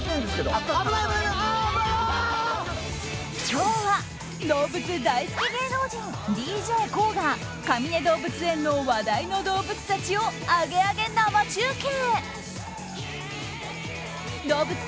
今日は動物大好き芸能人ＤＪＫＯＯがかみね動物園の話題の動物たちをアゲアゲ生中継！